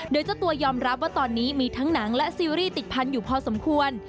โดยเจ้าตัวยอมรับว่าตอนนี้มีทั้งหนังและซีรีส์ติดพันธุ์อยู่พอสมควร